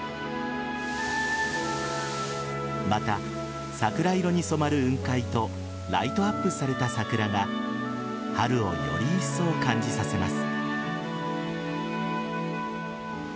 また、桜色に染まる雲海とライトアップされた桜が春をよりいっそう感じさせます。